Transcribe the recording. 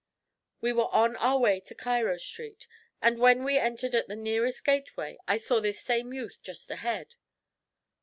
We were on our way to Cairo Street, and when we entered at the nearest gateway I saw this same youth just ahead.